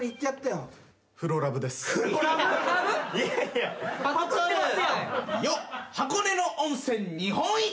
よっ箱根の温泉日本一！